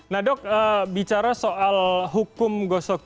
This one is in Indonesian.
nah dok bicara soal hukum gosok